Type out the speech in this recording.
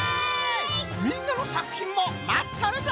みんなのさくひんもまっとるぞ！